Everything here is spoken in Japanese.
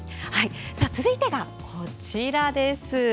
続いては、こちらです。